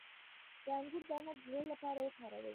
د انګور دانه د زړه لپاره وکاروئ